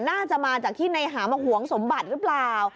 น่าจะมาจากที่ในหามาหวงสมบัติหรือเปล่า